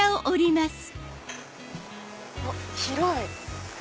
おっ広い！